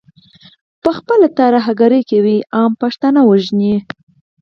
پخپله ترهګري کوي، عام پښتانه وژني.